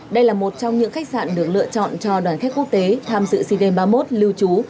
đây là một trong những khách sạn được lựa chọn cho đoàn khách quốc tế tham dự sea games ba mươi một lưu trú